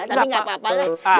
tapi gak apa apa lah